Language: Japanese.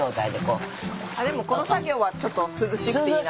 でもこの作業はちょっと涼しくていいな。